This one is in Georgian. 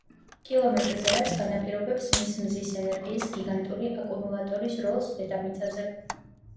კილომეტრზე, რაც განაპირობებს მის მზის ენერგიის გიგანტური აკუმულატორის როლს დედამიწაზე.